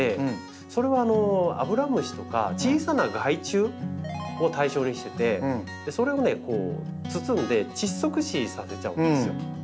それはアブラムシとか小さな害虫を対象にしててそれをね包んで窒息死させちゃうんですよ。